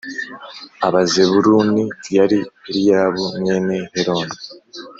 Abazebuluni yari Eliyabu mwene Heloni